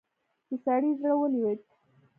د سړي زړه ولوېد.